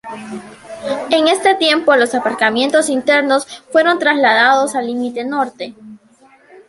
En este tiempo los aparcamientos internos fueron trasladados al límite norte.